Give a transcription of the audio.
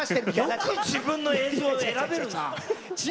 よく自分のを選べるな。